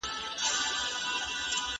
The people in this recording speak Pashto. مخینه د هرې نوې پدئدې لپاره اړینه ده.